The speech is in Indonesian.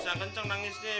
udah jangan kenceng nangis deh